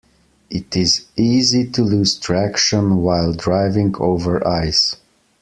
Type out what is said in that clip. It is easy to lose traction while driving over ice.